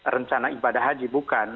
rencana ibadah haji bukan